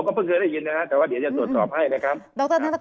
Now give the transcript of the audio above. ก็เพิ่งเคยได้ยินนะฮะแต่ว่าเดี๋ยวจะตรวจสอบให้นะครับ